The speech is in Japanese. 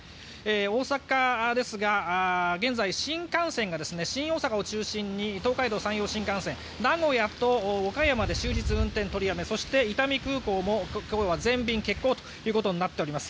大阪ですが現在、新幹線が新大阪を中心に東海道・山陽新幹線名古屋と岡山で終日運転取りやめそして、伊丹空港も今日は全便欠航となっております。